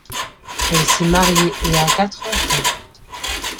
Elle s'est marié et a quatre enfants.